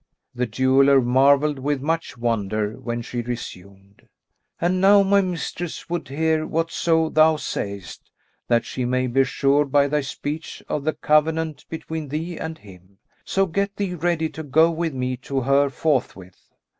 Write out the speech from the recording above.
The jeweller marvelled with much wonder, when she resumed, "And now my mistress would hear whatso thou sayest, that she may be assured by thy speech of the covenants between thee and him; so get thee ready to go with me to her forthwith."